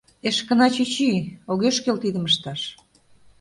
Эшкына чӱчӱ, огеш кӱл тидым ышташ.